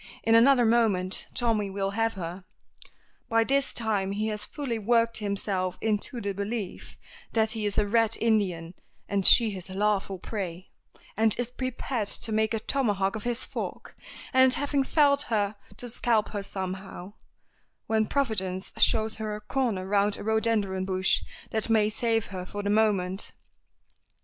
In another moment Tommy will have her. By this time he has fully worked himself into the belief that he is a Red Indian, and she his lawful prey, and is prepared to make a tomahawk of his fork, and having felled her, to scalp her somehow, when Providence shows her a corner round a rhododendron bush that may save her for the moment.